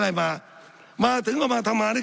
สับขาหลอกกันไปสับขาหลอกกันไป